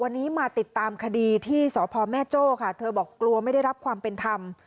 วันนี้มาติดตามคดีที่สพแม่โจ้ค่ะเธอบอกกลัวไม่ได้รับความเป็นธรรม